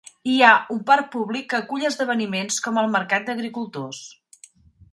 Hi ha un parc públic que acull esdeveniments com el mercat d'agricultors.